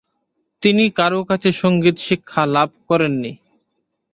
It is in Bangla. তিনি কারও কাছে সংগীত শিক্ষা লাভ করেননি।